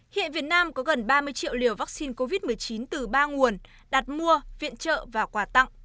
hiện việt nam có gần ba mươi triệu liều vaccine covid một mươi chín từ ba nguồn đặt mua viện trợ và quà tặng